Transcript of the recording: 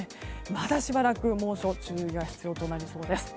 まだしばらく猛暑注意が必要となりそうです。